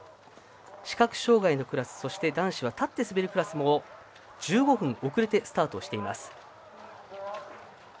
視覚障がいのクラスそして男子は立って滑るクラスも１５分、遅れてスタートしてます。